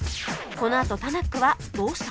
このあとタナックはどうした？